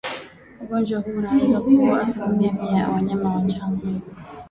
Ugonjwa huu unaweza kuua asilimia mia ya wanyama wachanga